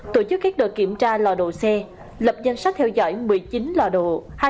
tổ chức các đợt kiểm tra lò đồ xe lập danh sát theo dõi một mươi chín lò đồ